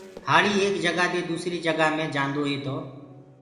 هآݪي ايڪ جگآ دي دوسري جگآ مي جآندوئي تو